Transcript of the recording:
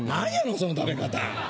その食べ方。